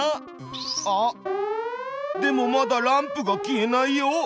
あっでもまだランプが消えないよ。